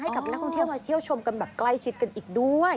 ให้กับนักท่องเที่ยวมาเที่ยวชมกันแบบใกล้ชิดกันอีกด้วย